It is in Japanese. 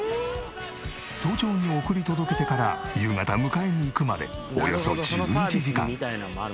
早朝に送り届けてから夕方迎えに行くまでおよそ１１時間。